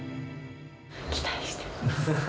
期待してます。